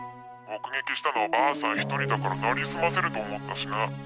目撃したのは婆さん１人だからなりすませると思ったしな。